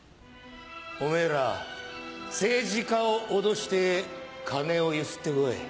おめぇら政治家を脅して金をゆすって来い。